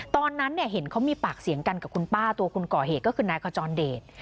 ตอนนั้นเห็นเขามีปากเสียงกันกับคุณป้าตัวคนก่อเหตุก็คือนายขจรเดช